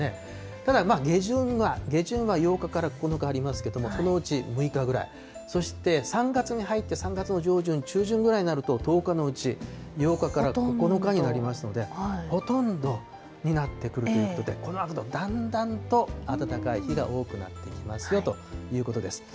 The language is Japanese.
ただ、下旬は８日から９日ありますけれども、そのうち６日ぐらい、そして３月に入って、３月の上旬、中旬ぐらいになると、１０日のうち８日から９日になりますので、ほとんどになってくるということで、このあとだんだんと暖かい日が多くなってきますよということです。